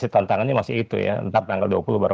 tantangannya masih itu ya entah tanggal dua puluh baru